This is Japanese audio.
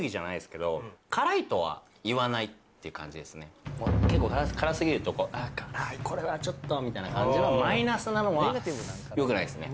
まあこう結構辛すぎるとこう「ああ辛いこれはちょっと」みたいな感じのマイナスなのはよくないですね